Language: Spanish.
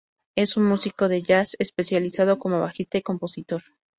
Es un músico de jazz, especializado como bajista y compositor.